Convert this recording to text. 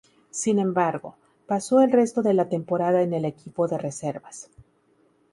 Sin embargo, pasó el resto de la temporada en el equipo de reservas.